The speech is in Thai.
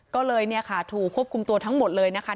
ก็เลยเนี่ยค่ะถูกควบคุมตัวทั้งหมดเลยนะคะ